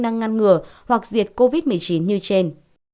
ngừa hoặc diệt covid một mươi chín như trên